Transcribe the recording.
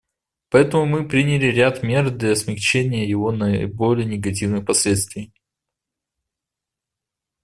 Поэтому мы приняли ряд мер для смягчения его наиболее негативных последствий.